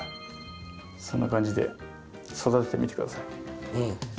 そんな感じで育ててみてください。